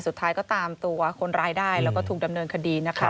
สุดท้ายก็ตามตัวคนร้ายได้แล้วก็ถูกดำเนินคดีนะคะ